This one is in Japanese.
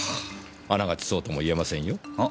あながちそうとも言えませんよ。は？